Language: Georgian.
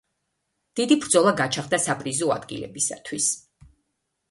დიდი ბრძოლა გაჩაღდა საპრიზო ადგილებისათვის.